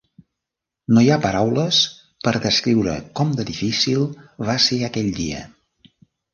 No hi ha paraules per descriure com de difícil va ser aquell dia.